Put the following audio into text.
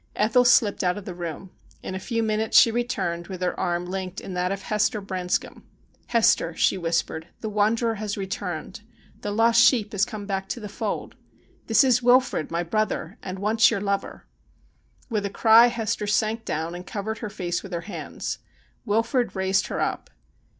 Ethel slipped out of the room. In a few minutes she re turned with her arm linked in that of Hester Branscombe. Ii8 STORIES WEIRD AND WONDERFUL ' Hester,' she whispered, ' the wanderer has returned. The lost sheep has come back to the fold. This is Wilfrid, my brother, and once your lover.' With a cry Hester sank down and covered her face with her hands. Wilfrid raised her up.